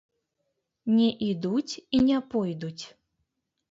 Не ідуць і не пойдуць.